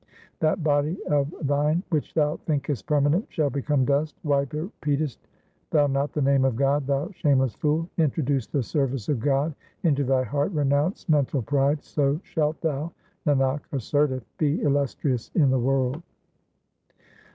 That body of thine which thou thinkest permanent shall become dust ; why repeatest thou not the name of God, thou shameless fool ? Introduce the service of God into thy heart ; renounce mental pride, so shalt thou, Nanak asserteth, be illustrious in the world.